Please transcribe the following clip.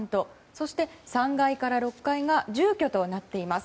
そして３階から６階が住居となっています。